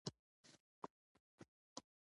د ونو تنې ولې په چونه سپینوي؟